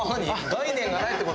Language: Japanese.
概念がないって事？